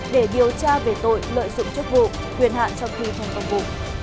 để điều tra về tội lợi dụng chức vụ quyền hạn trong khi thành công vụ